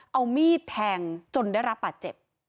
เอามีดแทงจนได้รับบาดเจ็บ